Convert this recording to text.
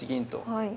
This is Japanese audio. はい。